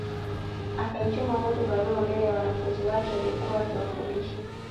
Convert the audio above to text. Akaichoma moto barua mbele ya wanafunzi wake aliokuwa akiwafundisha